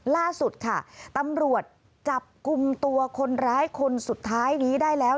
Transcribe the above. ล่าสุดค่ะตำรวจจับกลุ่มตัวคนร้ายคนสุดท้ายนี้ได้แล้ว